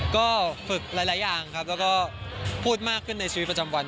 ก็ฝึกหลายอย่างครับแล้วก็พูดมากขึ้นในชีวิตประจำวัน